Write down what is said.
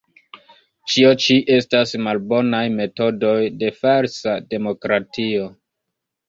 Ĉio ĉi estas malbonaj metodoj de falsa demokratio.